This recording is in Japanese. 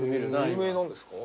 有名なんですか？